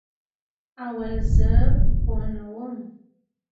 اول زه پوهه نه وم